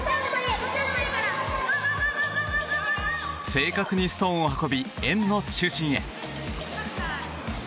正確にストーンを運び円の中心へ。